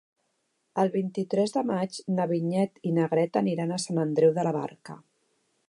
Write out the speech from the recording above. El vint-i-tres de maig na Vinyet i na Greta aniran a Sant Andreu de la Barca.